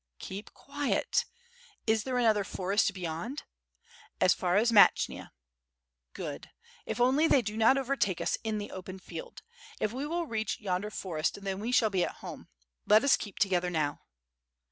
"Keep quiet. Is there another forest beyond?" "As far as Matchyna." "Good. . If only they do not overtake us in the open field! If we will reach yonder forest, then we shall be at home. Let us keep together now."